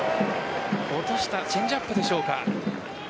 落としたチェンジアップでしょうか。